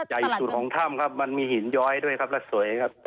ใหญ่สุดของถ้ำครับมันมีหินย้อยด้วยครับและสวยครับ